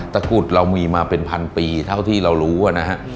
กรุดเรามีมาเป็นพันปีเท่าที่เรารู้นะฮะ